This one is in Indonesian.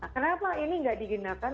kenapa ini tidak digunakan